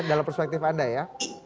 dalam perspektif anda ya